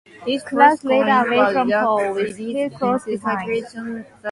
Clark led away from pole with Hill close behind.